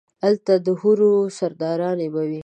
الته ده حورو سرداراني به وي